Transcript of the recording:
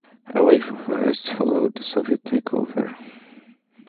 A wave of arrests followed the Soviet takeover.